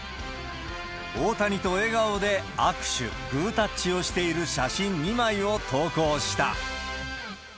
大谷と笑顔で握手、グータッチをしている写真２枚を投稿した。